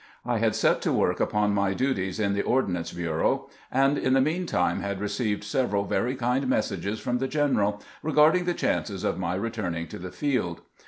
I had set to work upon my duties in the Ordnance Bureau, and in the mean time had received several very kind messages from the general regarding the chances of my returning to the field.